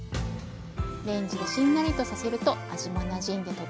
レンジでしんなりとさせると味もなじんでとってもおいしいです。